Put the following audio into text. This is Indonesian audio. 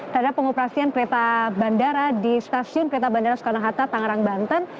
terhadap pengoperasian kereta bandara di stasiun kereta bandara soekarno hatta tangerang banten